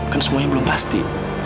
kan semuanya belum pasti